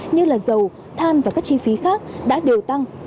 như là dầu than và các chi phí khác đã đều tăng